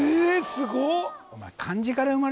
すごっ！